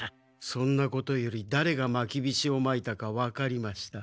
そんなことよりだれがまきびしをまいたかわかりました。